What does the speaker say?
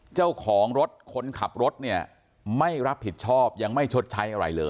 เจ้าของรถคนขับรถเนี่ยไม่รับผิดชอบยังไม่ชดใช้อะไรเลย